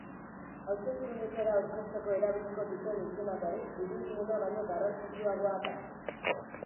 Hauteskundeetara aurkezteko erabiliko duten izena, berriz, dirudiena baino garrantzitsuagoa da.